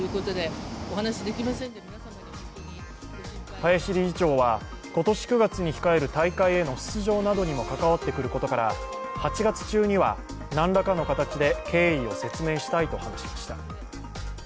林理事長は今年９月に控える大会への出場などにも関わってくることから８月中にはなんらかの形で経緯を説明したいと話しました。